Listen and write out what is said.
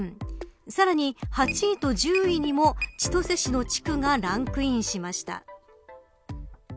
さらに８位と１０位にも千歳市の地区がランクインしました。